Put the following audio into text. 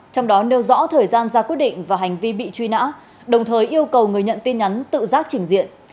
trong đó nêu rõ thời gian ra quyết định và hành vi bị truy nã đồng thời yêu cầu người nhận tin nhắn tự giác chỉnh diện